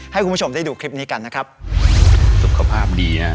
ให้คุณผู้ชมได้ดูคลิปนี้กันนะครับ